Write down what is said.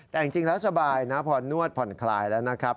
แต่จริงแล้วสบายนะพอนวดผ่อนคลายแล้วนะครับ